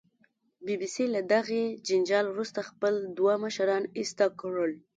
بي بي سي له دغې جنجال وروسته خپل دوه مشران ایسته کړل